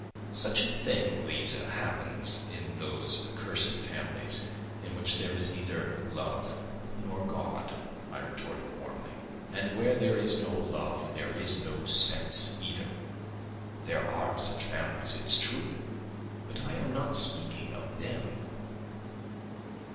"Such a thing, Liza, happens in those accursed families in which there is neither love nor God," I retorted warmly, "and where there is no love, there is no sense either. There are such families, it's true, but I am not speaking of them.